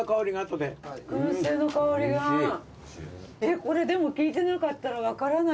これでも聞いてなかったら分からない